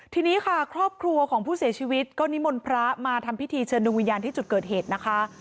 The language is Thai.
ทีนี้ค่ะครอบครัวของผู้เสียชีวิตก็นิมนต์พระมาทำพิธีเชิญดวงวิญญาณที่จุดเกิดเหตุนะคะ